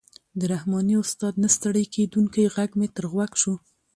د رحماني استاد نه ستړی کېدونکی غږ مې تر غوږ شو.